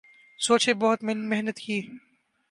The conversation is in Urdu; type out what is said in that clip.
سوچیں بہت محنت کی